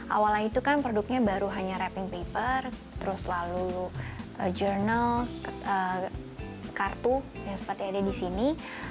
awalnya itu kan produknya baru hanya rapping paper terus lalu journal kartu yang seperti ada di sini